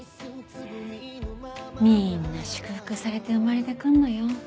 みんな祝福されて生まれて来んのよ。